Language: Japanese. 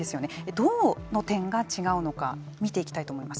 どの点が違うのか見ていきたいと思います。